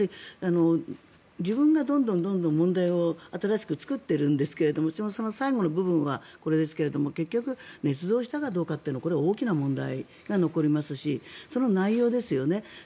自分がどんどん問題を新しく作っているんですがその最後の部分はこれですけども結局ねつ造したかどうかというのはこれは大きな問題が残りますしその内容ですよね。